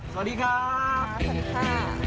สวัสดีครับสวัสดีค่ะ